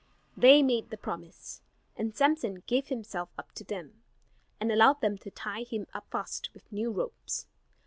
They made the promise; and Samson gave himself up to them, and allowed them to tie him up fast with new ropes.